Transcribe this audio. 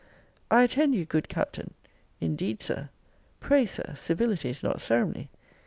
I attend you, good Captain Indeed, Sir Pray, Sir civility is not ceremony.